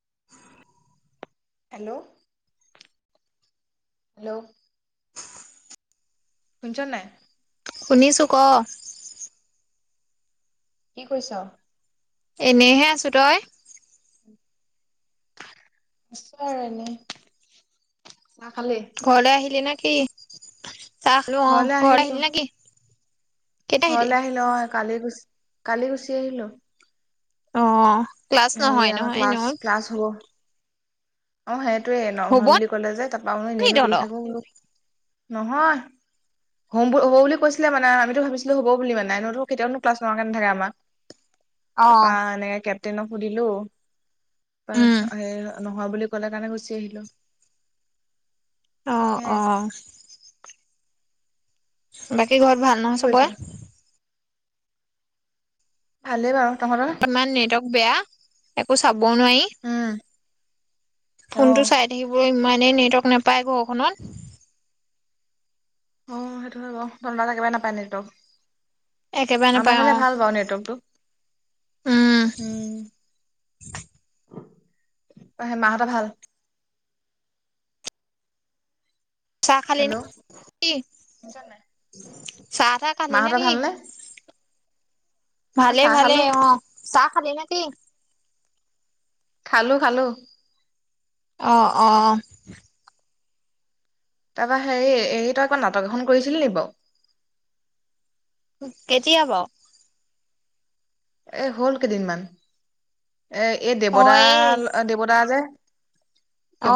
[unintelligible] Hello hello শুনিছনে নাই শুনিছো ক কি কৰিছ? এনেহে আছো তই আছো আৰু এনেই চাহ খালি? ঘৰলে আহিলি নে কি, চাহ খালো অ' ঘৰলে ঘৰ আহিলো, আহিলি নেকি? কেতিয়া আহিলি ঘৰলে আহিলো অ কালি গুচ কালি গুচি আহিলো। অ' ক্লাছ হেৰি নহয় আমাৰ নহয় ক্লাছ এনেও ক্লাছ হ'ব। অ সেইটোয়ে নহয় বুলি কলে যে তাৰ পৰা নি এনেইনো কেলে তহঁতৰ থাকো বোলো নহয় হম হ'ব বুলি কৈছিলে মানে আমিত ভাবছিলো হ'ব বুলি মানে এনেইটো কেতিয়াওনো ক্লাছ নোহোৱাকৈ নাথাকে আমাৰ। অ তাৰপা এনেকে কেপটেইনক সুধিলো উম নহয় বুলি কলে কাৰণে গুচি আহিলো অ সেয়াই, অ বাকী ঘৰত ভাল কি নহয় কৰিছ? চবৰে ভালে বাৰু তহঁতৰ? ইমান নেটৱৰ্ক বেয়া, একো চাবও নোৱাৰি উম, ফোনটো অ। চাই থাকিব ইমানেই নেটৱৰ্ক নাপায় ঘৰখনত অ সেইটো হয় বাৰু, [unintelligible] একেবাৰে নাপায় নেটৱৰ্ক। একেবাৰে নাপায় আমাৰ অ ফালে ভাল বাওঁ নেটৱৰ্কটো। উম উম। হে মা হঁতৰ ভাল? চাহ খালি হেল্ল' নেকি? শুনিছ নাই চাহ তাহ খালি নে মাহঁতৰ কি? ভালনে? অ ভালে চাহ ভালে খালো অ, চাহ খালি নে কি? খালো খালো অঁ অহ। তাৰপৰা হেৰি এই তই আকৌ নাটক এখন কৰিছিলি নি বাৰু? কেতিয়া বাওঁ? এ হ'ল কেইদিনমান, এ এই অ দেৱদা এই দেৱদা যে।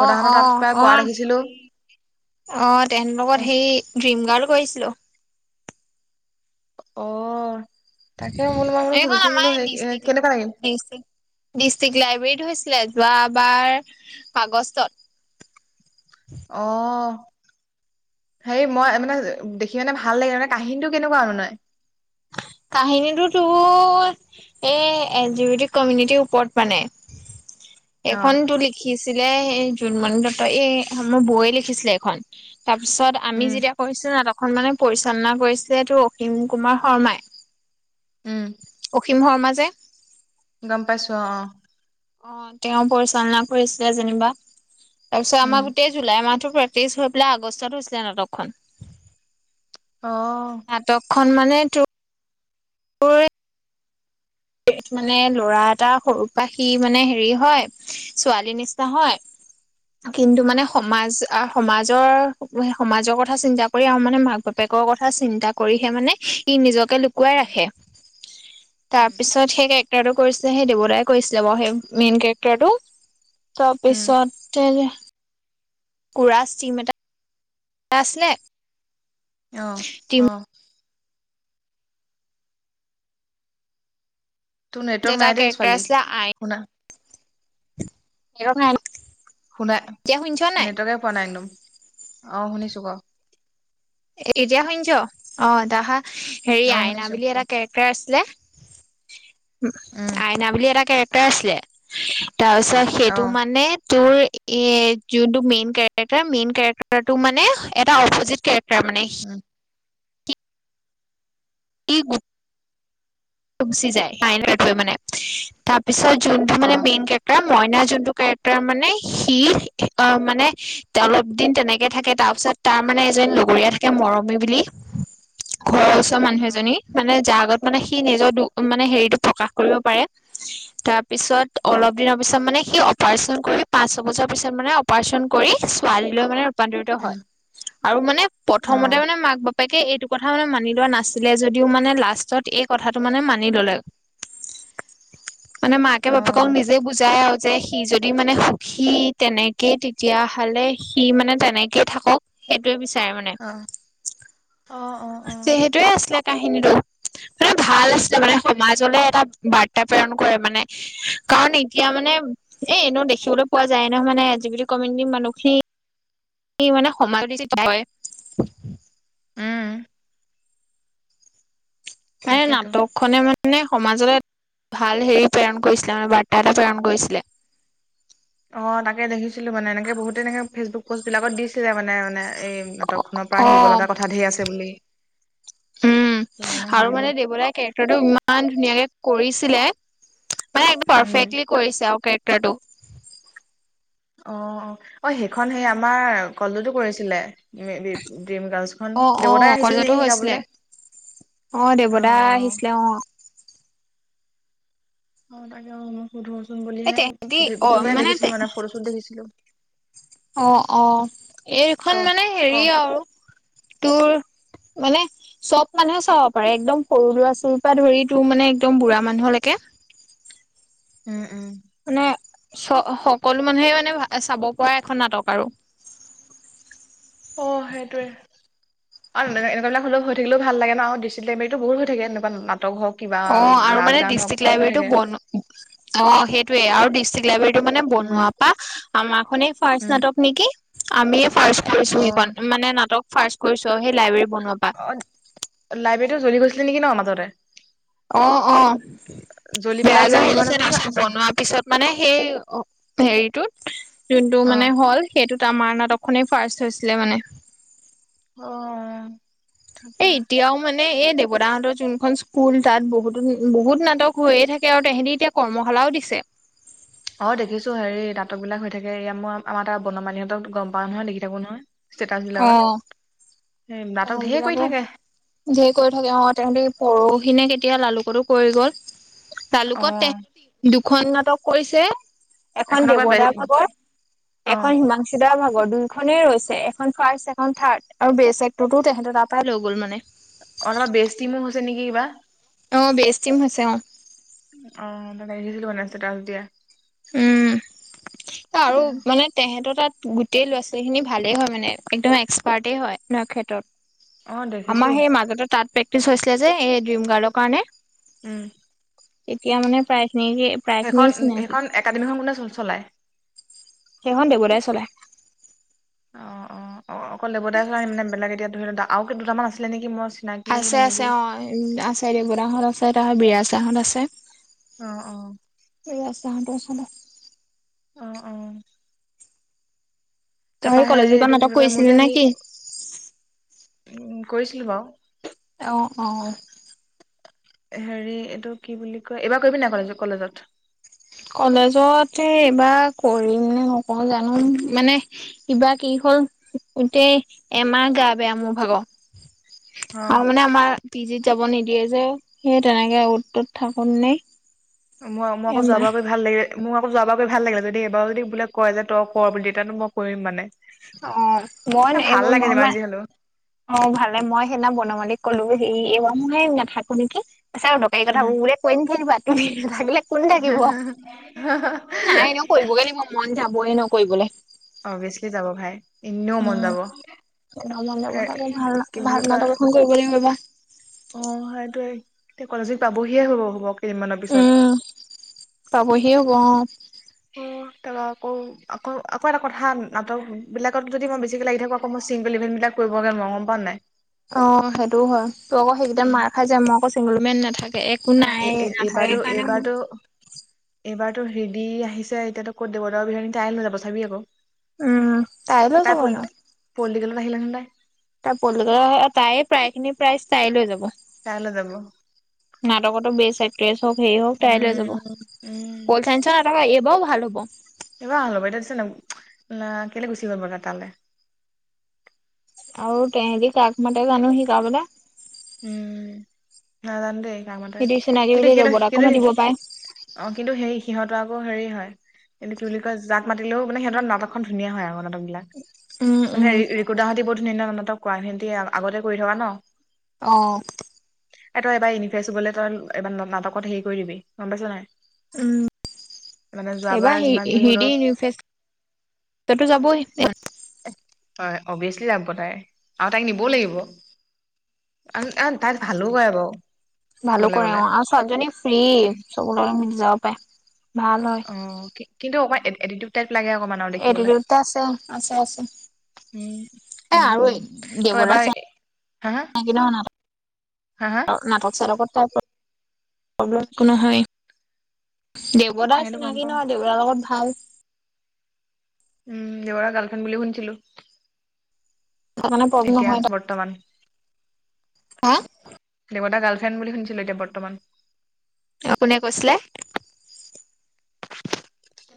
অ অ তাত প্ৰায় অ কৰা [unintelligible] দেখিছিলো অ তেহেত অ লগত সেই ড্ৰিম গাৰ্ল কৰিছিলো। অহ। এইখন আমাৰ ডিষ্ট্ৰিক কেনেকুৱা লাগিল? ডিষ্ট্ৰিক ডিষ্ট্ৰিক লাইব্ৰেৰীত হৈছে। ছিলে যোৱাবাৰ আগষ্টত। অহ। হেৰি মই মানে দেখি মানে ভাল লাগে মানে কাহিনীটো কেনেকুৱা মানে। কাহিনীটো তোৰ এচ দি ভি টি কমিউনিটিৰ ওপৰত মানে [inaudible] [unintelligible] এইখনতো লিখিছিলে এই জোনমণি দত্ত, এই আমাৰ বৌয়ে লিখিছিলে এইখন। তাৰপিছত আমি উম যেতিয়া কৈছো না ত এখন মানে পৰিচালনা কৰিচিলে এইটো অসীম কুমাৰ শৰ্মাই। উম কিহৰ মাজে গম পাইছো অহ অহ। অগ তেওঁ পৰিচালনা কৰিছিলে যেনিবা, তাৰপিছত উম আমাৰ গোটেই জুলাই মাহত তে্ৰইশ হৈ পেলাই আগষ্টত হৈছিলে নাটকখন [unintelligible] অহ। সন্মানেতো অই। [inaudible] [unintelligible] মানে ল'ৰা এটা সৰু পৰাই সিমানে হেৰি হয়, ছোৱালীৰ নিচিনা হয় [inaudible] কিন্তু অ মানে সমাজ সমাজৰ, সমাজৰ কথা চিন্তা কৰি আৰু মানে মাক বাপেকৰ কথা চিন্তা কৰিহে মানে সি নিজকে লুকুৱাই উম ৰাখে। [inaudible] তাৰ পিছত সেই কেৰেক্টাৰটো কৰিছিলে সেই দেৱতাই কৰিছিলে বাৰু সেই মেইন কেৰেক্টাৰটো উম তাৰপিছতে কুৰাজ টীম এটা আচিলে। অহ অহ। তোৰ নেটৱৰ্ক এটা নাই দেই ছোৱালী, শুনা সম [unintelligible] শুনা, নেটৱৰ্কে পোৱা নাই হেনো, অ শুনিছো ক এতিয়া শুনিছ, অহ তাহা হেৰি অ আইনা শুনিছো বুলি ক এটা কেৰেক্টাৰ আছিল। উম আইনা বুলি এটা কেৰেক্টাৰ আছিলে। তাৰপিছত অ সেইটো মানে তোৰ এ যোনটো মেইন কেৰেক্টাৰ মেইন কেৰেক্টাৰটো মানে এটা অপজিত কেৰেক্টাৰ তাৰ মানে উম [unintelligible] তাৰ পিছত যোনটো অ মানে মেইন কেৰেক্টাৰ মইনা যোনটো কেৰেক্টাৰ মানে সি মানে অলপ দিন তেনেকে থাকে, তাৰপিছত তাৰ মানে এজন লগৰীয়া থাকে মৰমী বুলি, ঘৰৰ ওচৰ মানহে অ মানে, মানে যাৰ আগত মানে সি নিজৰ মানে হেৰিতটো প্ৰকাশ কৰিব পাৰে তাৰ পিছত, অ অলপ দিনৰ পিছত মানে সি অপাৰচন কৰি পাঁচ বছৰৰ পিছত মানে অপাৰচন কৰি ছোৱালীলৈ মানে ৰূপান্তৰিত উম হয়। আৰু মানে অ প্ৰথমতে মানে মাক বাপেকে এইটো কথা মানে মানি লোৱা নাছিল যদিও মানে লাষ্টত এই কথাটো মানে মানি ললে। মানে মাকে অ বাপেকক নিজেই বুজাই আৰু যে সি যদি মানে সুখী তেনেকেই, তেতিয়া হ'লে সি মানে তেনেকেই থাকক সেইটোৱেই বিচাৰো। অহ'অহ'অহ'অহ। যে সেইটোৱে আছিলে কাহিনীটো মানে ভাল আছিলে মানে সমাজলে এটা বাৰ্তা প্ৰেৰণ কৰে মানে, কাৰণ এতিয়া মানে এ এনেও দেখিবলৈ পোৱা যায় নহয় মানে আজিবি কমিউনিটি মানুহখিনি এ মানে [unintelligible] উম মানে তাকেতো নাটক খনে মানে মানে সমাজত ভাল হেৰি প্ৰেৰণ কৰিছিলে মানে বাৰ্তা এটা প্ৰেৰণ কৰিছিলে। অ তাকে দেখিছিলো মানে এনেকে বহুতে এনেকে ফেচবুক পোষ্টবিলাকত দিছিলে মানে মানে এই নাটকখন পা অ আহিব লগা কথা ঢেৰ আছে বুলি উম আৰু মানে দেৱ দাৰ কেৰেক্টাৰটো ইমান ধুনীয়াকে কৰিছিলে মানে উম পাৰফেক্টলি কৰিছে আৰু কেৰেক্টাৰটো অ অ সেইখন সেই আমাৰ কলেজটো কৰিছিলে। ডিম গাৰ্লছখন অ দেৱতাই আহিছিলে নেকি শিকাবলে অঁ অ দেৱদা আহিছিলে অ অঁ তাকে অ মই সুধোচোন এই বুলিহে তেহেতি অ তুতুমাইক দেখিছিলো মানে ফটো শ্বটু দেখিছিলো। অঁ অঁ ক এইখন মানে ক হেৰি আৰু তোৰ মানে চব মানুহে চাব পাৰে একদম সৰু ল'ৰা ছোৱালীৰ পৰা ধৰি তোৰ মানে একদম বুঢ়া মানুহলেকে কি? উম উম মানে চ সকলো মানুহে মানে চাব পৰা এখন নাটক আৰু অ সেইটোৱে অ একুৱািলাক হলেও হৈ থাকিলে ভাল লাগে ন আমাৰ ডিসট্ৰিক্ট লাইব্ৰেৰীটো বহু হৈ থে এনেকুৱা নাট অঁ আৰু মানে ডিষ্ট্ৰিক্ট হৈ লাইব্ৰেৰীটো থাকে বন, অ সেইটোৱে আৰু ডিষ্ট্ৰিক্ট লাইব্ৰেৰী মানে উম বনোৱা পা আমাৰ খনেই ফাৰ্ষ্ট উম নাটক নেকি, আমি ফাৰ্ষ্ট কৰিছো অ সেইখন মানে নাটক ফাৰ্ষ্ট কৰিছোঁ আও অ লাইব্ৰেৰীত জ্বলি গৈছিলে নেকি ন মাজতে অঁ অঁ জ্বলি বেয়া পেলাই কিবা যে হৈ হেৰি হোৱা গৈছে নাছিলে তাৰপিছত নাছিলে বনোৱাৰ পিছত মানে সেই হেৰিটোত যোনটো অ মানে হ'ল সেইটোত আমাৰ নাটকখনেই ফাৰ্ষ্ট হৈছিলে মানে অ অম এ এতিয়াও মানে এ দেৱ দাহঁতৰ যোনখন স্কুল তাত বহুতো বহুত নাটক হৈয়ে থাকে আৰু তেহেঁতি এতিয়া কৰ্মশালাও দিছে। [inaudible] অ দেখিছো হেৰি নাটকবিলাক হৈ থাকে ইয়া মই আমাৰ তাত বনমানিহঁতক গম পাও নহয় দেখি থাকো নহয় ষ্টেটাচবিলাকত অ সেইবিলাকে, ধেৰ কৰি থাকে অঁ তেহতে পৰহি ইখিনি কেতিয়া লালুকতো পৰি গ'ল অ লালুকত খ নাটক কৰিছে এখন আকৌ বে দেৱতা ভাগৰ অ এখন হিমাংসুদাৰ ভাগৰ দুই এখনেই ৰৈছে এখন ফাৰ্ষ্ট এখন থাৰ্ড আৰু বেচ এক্টৰটো তেহেতেৰ তাৰ পৰাই লৈ গ'ল মানে অলপমান বেষ্ট টিমো হৈছে নেকি কিবা? অঁ বেছ টিম হৈছে অঁ [unintelligible] উম আৰু মানে তেহেতৰ তাত গোটেই ল'ৰা ছোৱালীখিনি ভালেই হয় মানে একদম এক্সপাৰ্টেই হয় ন অ ক্ষেত্ৰত দেখিছো আমাৰ সেই মাজতে তাত প্ৰেক্টিচ হৈছিলে যে এই ডিম গাৰ্লৰ কাৰণে উম এতিয়া মানে প্ৰায়িন প্ৰায় খিনি ন কাৰণ একাডেমীখন কোনে চ চলায়? কোনে চলাই? অ অ অ অকল দেৱদাই চ মানে বেলেগ এতিয়া ধৰি ল আৰু কি দুটামান আছিলে নেকি মই চি আছে আছে অঁ আছে দেৱদাঁহত আছে তাহঁত বিৰাছাৰহঁত আছে অঁ অ [unintelligible] আহ অ তই তাৰ সেই পৰা হে কলেজত নাটক এইটো যে মোৰ কৰিছিলি যে নে কি হেৰি - কৰিছিলো বাৰু। অহ। অহ। হেৰি এইটো কি বুলি কয়, এইবাৰ কৰিবি নাই কলেজ- কলেজত? কলেজতে এইবাৰ কৰিম নে নকওঁ জানো! মানে কিবা কি কি হ'ল গোটেই এমাহ গা-বেয়া মোৰ ভাগ অ আৰু মানে আমাৰ পি জিত যাব নিদিয়ে যে। সেই তেনেকে অত-তত থাকোনতেই নেই মই, মই আকৌ যোৱাবাৰ ভাল লাগে মোক আকৌ যোৱ বাৰৈ ভাল লাগে যদি এইবাৰ যদি বোলে কয় যে তই কৰ বুলি তেনে মই কৰিম মানে অ'হ মই এ ভাল এইবোৰ লাগে যিমান [unintelligible] যি হলেও অ ভালে মই সেইদিনা বনমালীক ক'লো হে এইবাৰ মই নাথাকো নেকি ছাৰক দৰ্কাৰী উম কথাবোৰ বোলে, কৈ নাথাকিবা। তুমি নাথাকিলে কোন থাকিব? নাই এনেও কৰিবগে লাগিব মন যাবহ এনেও কৰিবলে অভিয়াচলি যাব ভাই। এনেও মন যাব। [inaudible] এনেও মন যাব ভাল, কি ভাল বুলি কয় নাটক এখন কৰিব দিম ৰবা এই কলেজউইক পাবহিয়ে হ'ব। হ'ব। কেইদিনমানৰ পিছত। সেই ক অ' তাৰ আকৌ, আকৌ -আকৌ এটা কথা নাটকবিলাকত যদি মই বেছিকৈ লাগি থাকো আকৌ মই ছিংগল ইভেণ্টবিলাক কৰিবলে নোৱাও গম পাৱ নে নাই? অ সেইটোও হয়। তোৰ আকৌ সেইকেইটা মাৰ খাই যায় ম। ই আকৌ চিংগল মেন নাথাকে একো অ এই নাই। নাথাকে এইবাৰতো কাৰণে মোৰ এইবাৰতো [unintelligible] এইবাৰতো হেৰিদি আহিছে। এতিয়াতো কত দেৱদৰ [unintelligible] ক'ত তাইয়ে লৈ যাব ছাবি আকৌ। উম লৈ তাই পলি পলিটিকেল নাহিলে ন তাই। তাৰ পলিটিকেল, তাই প্ৰায় খিনি প্ৰাইজ তাই লৈ যাব। তাই লৈ যাব নাটকতো বেছ এক্ট্ৰেছ হক। হেৰি হওক। তাই লৈ যাব। উম উম পলচাইন্স ৰ এইবাৰও ভাল হ'ব। এইবাৰ ভল ল'ব এতিয়া দিখিছন নাই কেলে গুচি গ'ল বা তালৈ? আৰু তেহেঁতি কাক মাতে জানো শিকাবলে উম নাজানো দেই। নামাতে সিহঁতি চিনাকি কিন্তু বুলি দেৱতাকো সিহঁতৰ মাতিব স পাৰে। -অ' কিন্তু সেই সিহঁতৰ আকৌ হেৰি হয়। কিন্তু কি বুলি কয় যাক মাতিলেও মানে সিহঁতৰ নাটকখন ধুনীয়া হয় আও মানে [unintelligible] বিলাক উম মানে উম। ৰিকু দা হঁতি বহুত ধুনীয়া- ধুনীয়া নাটক কৰা, সি আগতে কৰি থাকা ন অ'হ। এ তই এবাৰ ইনিফেছ হবলে, তই এবাৰ নাটকত হেৰি কৰি দিবি। গম পাইছ নে নাই? মানে উম। যোৱাবাৰ এবাৰ যিমান হেৰি যি হ'লেও হেৰি ইউনিফেছ তটো যাবই। হয়। অভিয়াচলি যাব তাই। আৰু তাইক নিবও লাগিব। এ তাই ভালো গায় বাও। ভালো কৰে অ'। আৰু ছোৱালীজনী ফ্ৰী। চব লগতে মিলি যাব পায়ে। অ কিন্তু অ'হ এতি এৰি, দেউটা আছে। আছে। আছে। উম। এ উম। আৰু উম। তই দেৱতা এবাৰ হা- হা চিনাকি নহয় হা হা নাটক চাটকত তাৰ প্ৰব্লেম [inaudible] প্ৰব্লেম একো নহয়ে। দেৱতাৰ সেইটো গম চিনাকি পাওঁ নহ দেৱতাৰ লগত ভাল। উম দেৱ দাৰ গাৰ্লফ্ৰেণ্ড বুলি শুনিছিলো। মানে প্ৰব্লেম এতিয়া। নহয় তাই। বৰ্তমান। হা [inaudible] দেৱদাৰ গাৰ্ল ফ্ৰেণ্ড বুলি শুনিছিলো এতিয়া বৰ্তমান। কোনে কৈছিলে?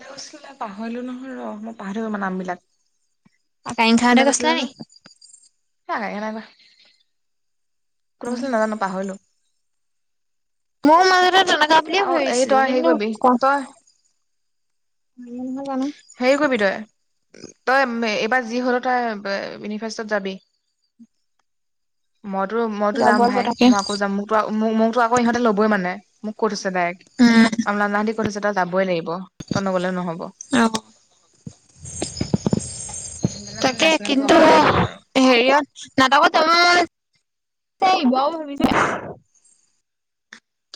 কৈছিলে। পাহৰিলো নহয় ৰহ মই পাহৰি গলো মানে নামবিলাক আকাইংখাহঁতে কোনে কৈছিলে নি? জানো কেনে কৈ। কি কৈছে নাজানো পাহৰিলো। মই মাজতে তেনেকোৱা বুলিয়ে অ এই ভাবিছিলো। তই হেৰি কিন্তু কৰিবি তই কনফ্ৰম। হেৰি কৰিবি তই। তই এইবাৰ যি হলো তই ইউনিভেষ্টত যাবি। [unintelligible] মইতো মইতো যাব যাম ভাই। পতাকে মই আকৌ যাম মোকটো মোকটো আকৌ ইহতে লবই। মানে মোক কই থৈছে। উম [unintelligible] অহ। সেইকাৰণে মানে নেচনেল তাকে পোৱাবগে লাগিব আৰু কিন্তু হেৰিয়ত নাটকত আমাৰ। সাই ব [unintelligible]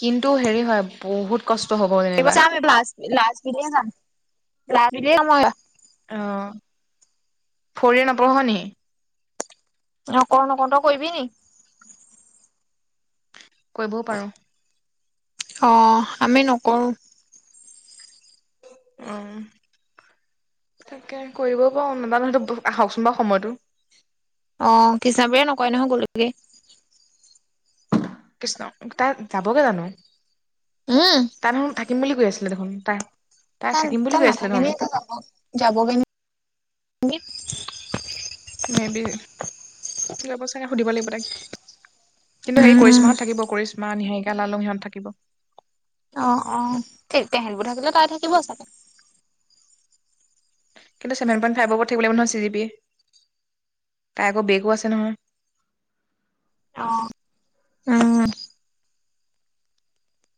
কিন্তু হেৰি হয় বহুত। কষ্ট হ'ব যেনিবা [unintelligible] অ ভৰিৰে নপঢ় নি। নকও, নকও তই কৰিবি নি। কৰিবও পাৰোঁ। অহ আমি নকৰো। উম। তাকে কৰিবও পাৰো। নাইবা নহয়তো আহকচোন বাৰু সময়টো। [unintelligible] কৃষ্ণ, তাই যাবগে জানো উম তাই দেখুন থাকিম বুলি কৈ আছিল। দেখোন তাই [unintelligible] তাই থাকিম তাত বুলি কৈ আছিলে নাথাকে দেখোন নহ। তাই যাবগে নহ। যাব চাগে সুধিব লাগিব তাইক। কিন্তু সেই উম কৰিশ্মাহাত থাকিব। কৰিশ্মা নীহাৰিকা লালুং সিহঁত থাকিব। অ অ [unintelligible] কিন্তু ছেভেন পইণ্ট ফাইভৰ ও থাকিব লাগিব নহয়। C 'G '। তাইৰ আকৌ বেগো আছে নহয়। অহ,,, উম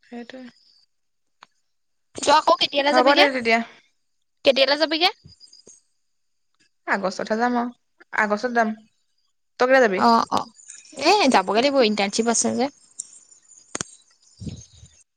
সেইটোৱে। তই আকৌ কেতিয়ালৈ হ'ব দে যাবিগে। তেতিয়া, কেতিয়ালৈ যাবিগে। আগষ্টতহে যাম অও। আগষ্টত যাম। তই কেতিয়া যাবি? অহ, অহ, এ যাবগৈ লাগিব ইণ্টাৰ। বুজি পাইচে যে।